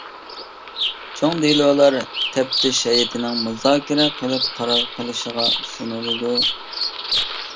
چوڭ دېلولار تەپتىش ھەيئىتىنىڭ مۇزاكىرە قىلىپ قارار قىلىشىغا سۇنۇلىدۇ.